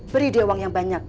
beri dia uang yang banyak